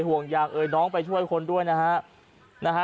ห่วงยางเอ่ยน้องไปช่วยคนด้วยนะฮะนะฮะ